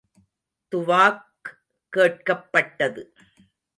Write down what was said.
துவாக் கேட்கப் பட்டது.